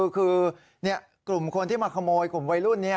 คือกลุ่มคนที่มาขโมยกลุ่มวัยรุ่น